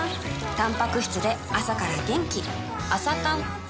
たんぱく質で朝から元気